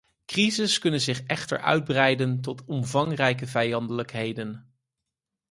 Crises kunnen zich echter uitbreiden tot omvangrijke vijandelijkheden.